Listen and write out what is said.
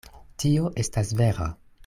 Tio estas vera.